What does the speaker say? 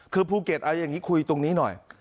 คือภูเก็ตเอาอย่างนี้คุยตรงนี้หน่อย